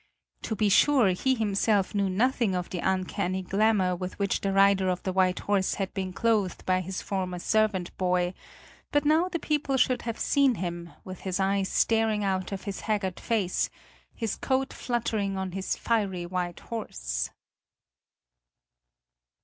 To be sure, he himself knew nothing of the uncanny glamour with which the rider of the white horse had been clothed by his former servant boy; but now the people should have seen him, with his eyes staring out of his haggard face, his coat fluttering on his fiery white horse.